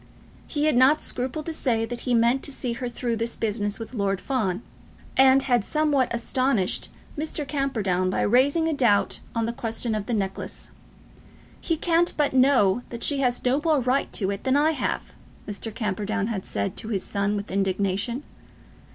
He had not scrupled to say that he meant to see her through this business with Lord Fawn, and had somewhat astonished Mr. Camperdown by raising a doubt on the question of the necklace. "He can't but know that she has no more right to it than I have," Mr. Camperdown had said to his son with indignation.